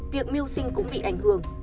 việc mưu sinh cũng bị ảnh hưởng